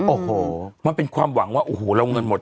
เพราะว่าเป็นความหวังว่าโอ้โหเราเงินหมด